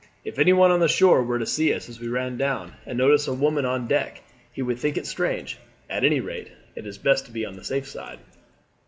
"If anyone on the shore were to see us as we ran down, and notice women on deck, he would think it strange. At anyrate it's best to be on the safe side."